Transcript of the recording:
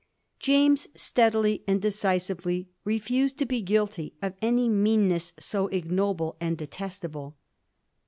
James steadily and decisively refused to be guilty of any meanness so ignoble and detestable.